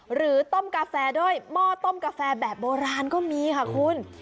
หรือต้มกาแฟด้วยหม้อต้มกาแฟแบบโบราณก็มีค่ะคุณ